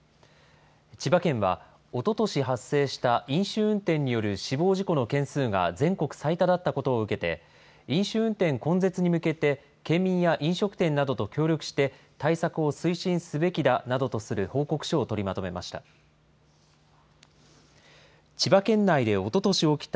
千葉県は、おととし発生した飲酒運転による死亡事故の件数が全国最多だったことを受けて、飲酒運転根絶に向けて、県民や飲食店などと協力して、対策を推進すべきだなどとする報告書を取りまとめました。